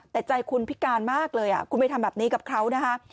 แต่ใจคุณพิการมากเลยคุณไปทำแบบนี้กับเขานะคะ